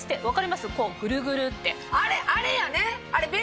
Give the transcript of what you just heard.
あれあれやね！